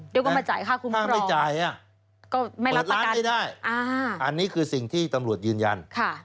เดี๋ยวกันมาจ่ายค่ะคุณพุทธรรมไม่รับประกันอันนี้คือสิ่งที่ตำรวจยืนยัน